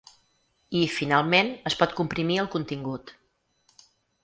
I, finalment, es pot comprimir el contingut.